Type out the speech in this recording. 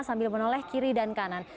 sambil menoleh kiri dan kanan